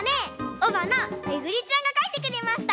おばなめぐりちゃんがかいてくれました。